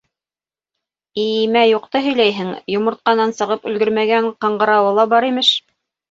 Иимә юҡты һөйләйһең, йомортҡанан сығып өлгөрмәгән, ҡыңғырауы ла бар, имеш.